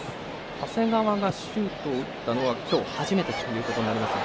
長谷川がシュートを打ったのは今日初めてとなります。